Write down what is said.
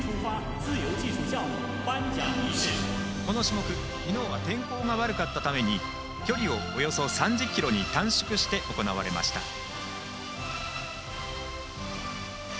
この種目昨日は天候が悪かったため距離をおよそ３０ｋｍに短縮して行われました。